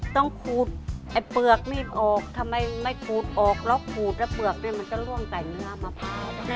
ทำไมไม่เรียกขนมต้มหรือทำไมเขาไม่เรียกขนมโคล่ะ